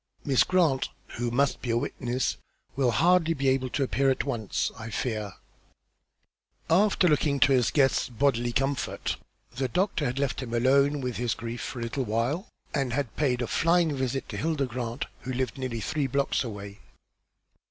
Miss Grant, who must be a witness, will hardly be able to appear at once, I fear," for, after looking to his guest's bodily comfort, the doctor had left him to be alone with his grief for a little while, and had paid a flying visit to Hilda Grant, who lived nearly three blocks away.